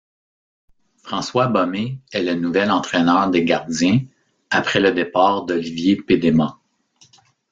François Bommé est le nouvel entraîneur des gardiens après le départ d'Olivier Pédémas.